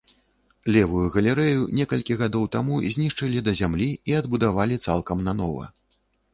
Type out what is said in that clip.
Левую галерэю некалькі гадоў таму знішчылі да зямлі і адбудавалі цалкам нанова.